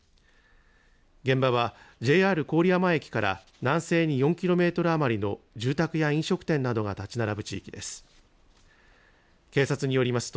現場はＪＲ郡山駅から南西に４キロメートル余りの住宅や飲食店などが建ち並ぶ地域です。